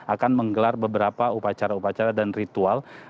akan menggelar beberapa upacara upacara dan ritual